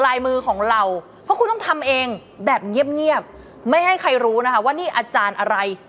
ลายมือของเราเพราะคุณต้องทำเองแบบเงียบไม่ให้ใครรู้นะคะว่านี่อาจารย์อะไร